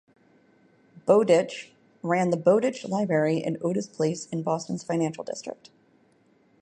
Bowditch, ran the "Bowditch Library" on Otis Place in Boston's Financial District.